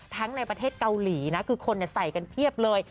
ในประเทศเกาหลีนะคือคนใส่กันเพียบเลย